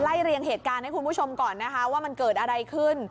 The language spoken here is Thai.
เรียงเหตุการณ์ให้คุณผู้ชมก่อนนะคะว่ามันเกิดอะไรขึ้น